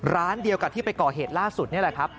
ร้านเดียวกับที่ไปก่อเหตุล่าสุดนี่แหละครับ